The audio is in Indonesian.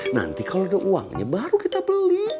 nanti kalau ada uangnya baru kita beli